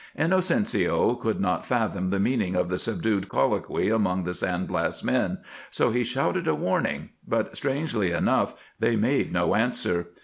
Inocencio could not fathom the meaning of the subdued colloquy among the San Blas men, so he shouted a warning, but, strangely enough, they made no answer.